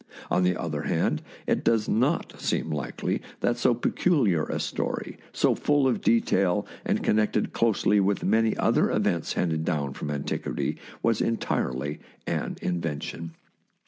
On the other hand, it does not seem likely that so peculiar a story, so full of detail, and connected closely with many other events handed down from antiquity, was entirely an invention.